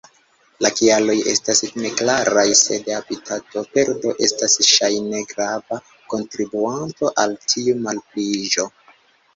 La kialoj estas neklaraj, sed habitatoperdo estas ŝajne grava kontribuanto al tiu malpliiĝo.